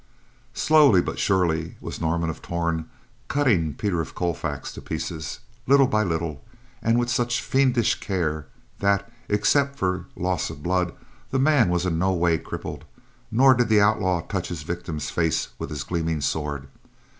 Slowly but surely was Norman of Torn cutting Peter of Colfax to pieces; little by little, and with such fiendish care that, except for loss of blood, the man was in no way crippled; nor did the outlaw touch his victim's face with his gleaming sword.